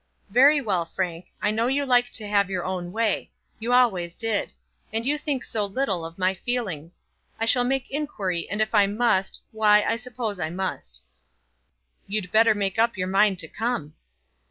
"Very well, Frank. I know you like to have your own way. You always did. And you think so little of my feelings! I shall make inquiry, and if I must, why I suppose I must." "You'd better make up your mind to come."